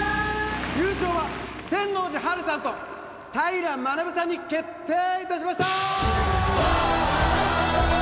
優勝は天王寺陽さんと平学さんに決定いたしました